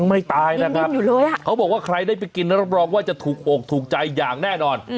ไม่ตายนะครับเขาบอกว่าใครได้ไปกินรับรองว่าจะถูกอกถูกใจอย่างแน่นอน